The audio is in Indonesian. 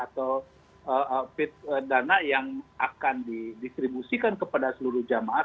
atau dana yang akan didistribusikan kepada seluruh jamaah